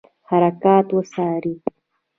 حرکات وڅاري.